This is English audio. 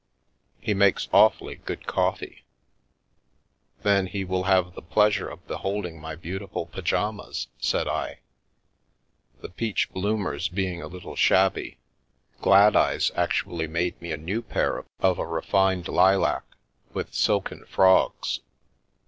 He makes awfully good coffee." " Then he will have the pleasure of beholding my beautiful pyjamas," said I. " The peach bloomers being a little shabby, Gladeyes actually made me a new pair of a refined lilac. With silken frogs."